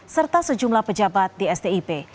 serta sejumlah pejabat di stip